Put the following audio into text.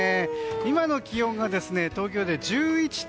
今の気温が東京で１１．７度。